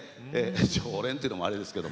常連というのもあれですけど。